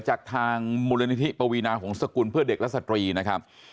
จากทางมูลนิธิปวีนาหงษกุลเพื่อเด็กและสตรีนะครับ